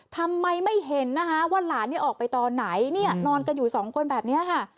ทำไมไม่เห็นว่าหลานนี่ออกไปตอนไหนนอนกันอยู่สองคนแบบนี้